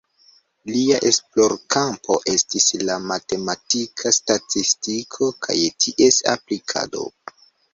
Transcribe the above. Lia esplorkampo estis la matematika statistiko kaj ties aplikado.